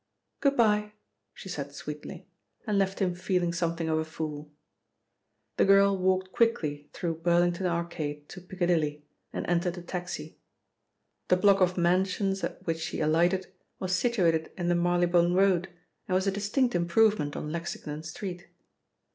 "Good bye," she said sweetly, and left him feeling something of a fool. The girl walked quickly through Burlington Arcade to Piccadilly and entered a taxi. The block of mansions at which she alighted was situated in the Marylebone Road and was a distinct improvement on Lexington Street.